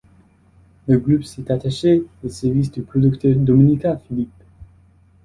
Le groupe s'est attaché les services du producteur Domenica Phillips.